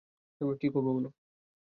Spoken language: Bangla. কী করবো বলো।